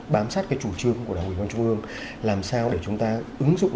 bám sát cái chủ trương của đảng ủy quan trung ương làm sao để chúng ta ứng dụng